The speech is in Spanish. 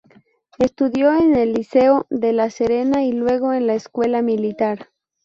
Estudió en el Liceo de La Serena y luego en la Escuela Militar.